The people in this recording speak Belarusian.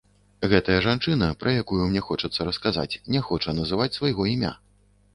Гэтая жанчына, пра якую мне хочацца расказаць, не хоча называць свайго імя.